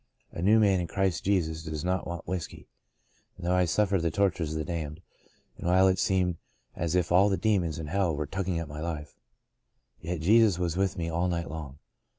A new man in Christ Jesus does not want whiskey ; and though I suffered the tortures of the damned — and while it seemed as if all the demons in hell were tugging at my life — yet Jesus was with me all night long.